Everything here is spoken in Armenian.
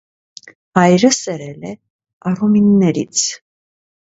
Հայրը սերել է առումիններից։